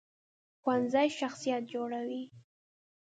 ښوونځی شخصیت جوړوي